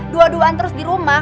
dua duaan terus dirumah